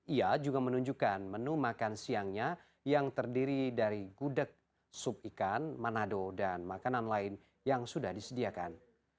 ia juga menunjukkan menu makan siangnya yang terdiri dari gudeg sup ikan manado dan makanan lain yang sudah disediakan